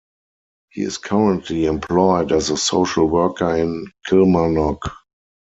He is currently employed as a social worker in Kilmarnock.